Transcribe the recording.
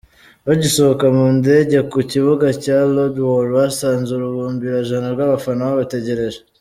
Bagisohoka mu ndenge ku kibuga cya Lodwar basanze urubumbirajana rw’abafana babategereje.